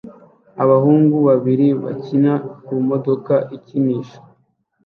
Abahungu babiri bakina ku modoka ikinisha